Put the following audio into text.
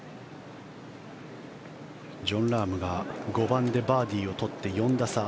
ジョン・ラームが５番でバーディーを取って４打差。